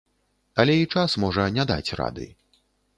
Але і час можа не даць рады.